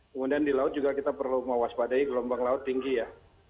kemudian di laut juga kita perlu mewaspadai gelombang laut tinggi ya